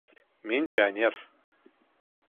— Мин пионер.